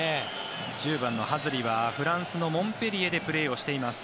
１０番のハズリはフランスのモンペリエでプレーをしています。